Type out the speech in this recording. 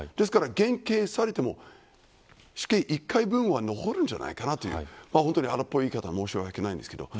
ですから、減刑されても死刑１回分は残るんじゃないかなという荒っぽい言い方で申し訳ないんですが。